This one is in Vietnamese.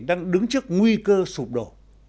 đang đứng trước nguy cơ sụp đổ